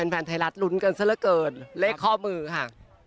แฟนไทยรัฐลุ้นกันซะละเกินเลขข้อมือค่ะ